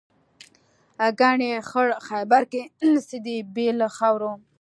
ګنې خړ خیبر کې څه دي بې له خاورو.